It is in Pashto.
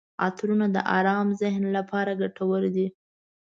عطرونه د ارام ذهن لپاره ګټور دي.